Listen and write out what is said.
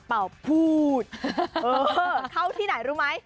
เป่าพูดเข้าที่ไหนรู้ไหม